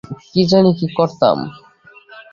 কী জানি কী করতাম।